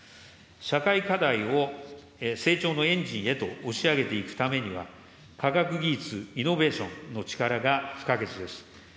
社会課題を成長のエンジンへと押し上げていくためには、科学技術・イノベーションの力が不可欠です。